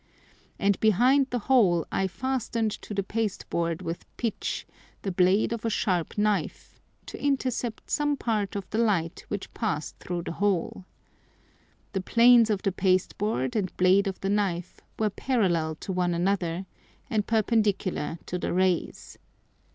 And behind the hole I fasten'd to the Pasteboard with Pitch the blade of a sharp Knife, to intercept some part of the Light which passed through the hole. The Planes of the Pasteboard and blade of the Knife were parallel to one another, and perpendicular to the Rays.